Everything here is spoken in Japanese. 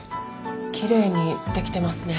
きれいにできてますね。